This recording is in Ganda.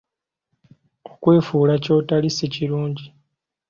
Okwefuula kyotoli si kirungi.